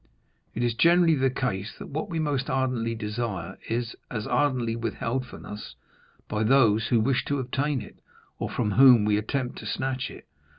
It is generally the case that what we most ardently desire is as ardently withheld from us by those who wish to obtain it, or from whom we attempt to snatch it.